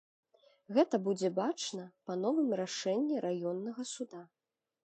Гэта будзе бачна па новым рашэнні раённага суда.